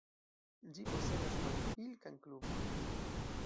Ĝi posedas manpilkan klubon.